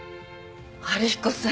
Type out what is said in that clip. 春彦さん